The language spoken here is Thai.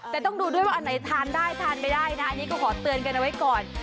แต่ต้องดูด้วยว่าอันไหนทานได้ทานไม่ได้นะอันนี้ก็ขอเตือนกันเอาไว้ก่อน